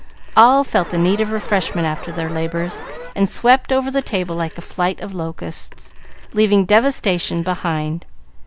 All felt the need of refreshment after their labors, and swept over the table like a flight of locusts, leaving devastation behind.